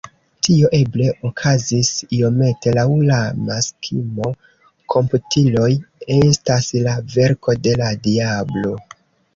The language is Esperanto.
Tio eble okazis iomete laŭ la maksimo “komputiloj estas la verko de la diablo.